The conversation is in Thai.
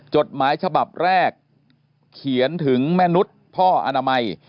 จดหมายฉบับแรกเขียนถึงแม่นุษย์พ่ออนามัย